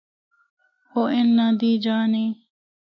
او اِن دی جآ نیں ۔